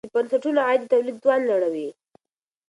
د بنسټونو عاید د تولید توان لوړوي.